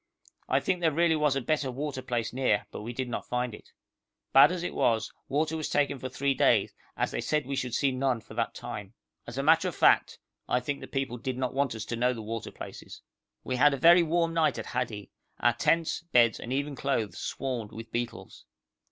I think there really was a better water place near, but we did not find it. Bad as it was, water was taken for three days, as they said we should see none for that time. As a matter of fact, I think the people did not want us to know the water places. We had a very warm night at Hadi, our tent, beds, and even clothes swarmed with beetles.